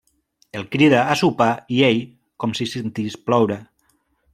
El crida a sopar i ell com si sentís ploure.